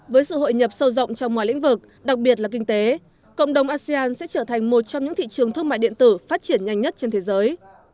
với sự hội nhập sâu rộng trong mọi lĩnh vực đặc biệt là kinh tế cộng đồng asean sẽ trở thành một trong những thị trường thương mại điện tử phát triển nhanh nhất trên thế giới